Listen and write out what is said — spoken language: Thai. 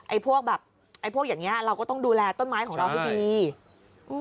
พวกแบบไอ้พวกอย่างเงี้ยเราก็ต้องดูแลต้นไม้ของเราให้ดีอืม